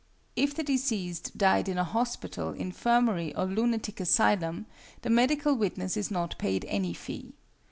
If the deceased died in a hospital, infirmary, or lunatic asylum, the medical witness is not paid any fee.